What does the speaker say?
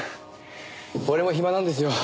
俺も暇なんですよ。